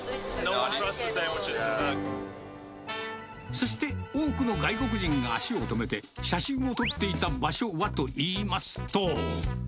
そして、多くの外国人が足を止めて、写真を撮っていた場所はといいますと。